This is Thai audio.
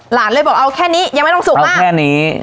หลานเลยบอกเอาแค่นี้ยังไม่ต้องสุกมากแค่นี้